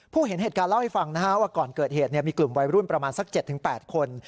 ผู้เห็นเหตุการณ์เล่าให้ฟังนะฮะว่าก่อนเกิดเหตุเนี้ยมีกลุ่มวัยรุ่นประมาณสักเจ็ดถึงแปดคน